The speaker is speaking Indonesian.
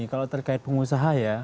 kalau terkait pengusaha ya